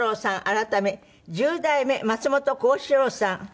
改め十代目松本幸四郎さん。